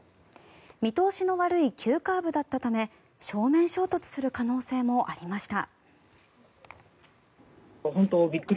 見通しの悪い急カーブだったため正面衝突する可能性もありました。